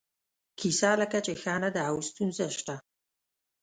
کیسه لکه چې ښه نه ده او ستونزه شته.